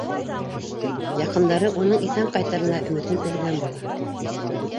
Яҡындары уның иҫән ҡайтырына өмөтөн өҙгән була.